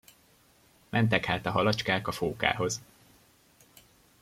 Mentek hát a halacskák a fókához.